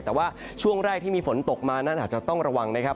แต่ว่าช่วงแรกที่มีฝนตกมานั้นอาจจะต้องระวังนะครับ